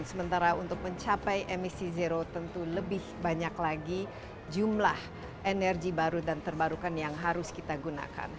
sementara untuk mencapai emisi zero tentu lebih banyak lagi jumlah energi baru dan terbarukan yang harus kita gunakan